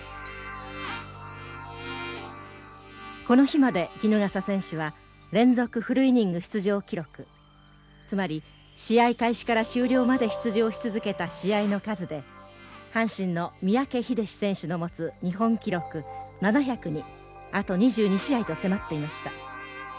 この日まで衣笠選手は連続フルイニング出場記録つまり試合開始から終了まで出場し続けた試合の数で阪神の三宅秀史選手の持つ日本記録７００にあと２２試合と迫っていました。